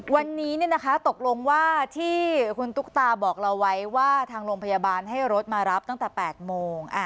วันนี้ตกลงว่าที่คุณตุ๊กตาบอกเราไว้ว่าทางโรงพยาบาลให้รถมารับตั้งแต่๘โมง